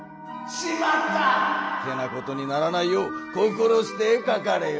「しまった！」ってなことにならないよう心してかかれよ。